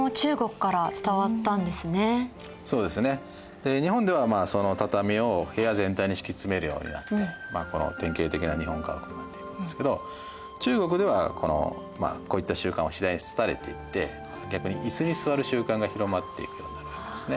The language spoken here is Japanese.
で日本ではその畳を部屋全体に敷き詰めるようになってこの典型的な日本家屋になっていきますけど中国ではこういった習慣は次第に廃れていって逆に椅子に座る習慣が広まっていくようになるわけですね。